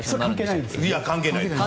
いや、関係ないです。